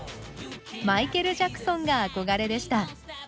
マイケル・ジャクソンが憧れでした。